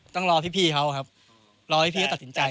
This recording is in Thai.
ต้องรอพี่เขาครับรอให้พี่เขาตัดสินใจ